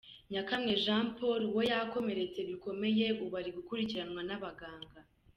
Nyakamwe Jean Paul we yakomeretse bikomeye, ubu arimo gukurkiranwa n’abaganga.